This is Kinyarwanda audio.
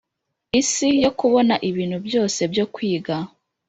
isi yo kubona, ibintu byose byo kwiga.